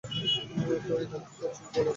তো এখানে কি করছিস বলদ বালক?